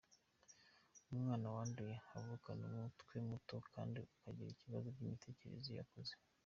Umwana wayanduye avukana umutwe muto kandi akagira ibibazo by’imitekerereze iyo akuze.